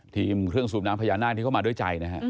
ทีมเครื่องสูบน้ำพญานาคที่เข้ามาด้วยใจนะฮะ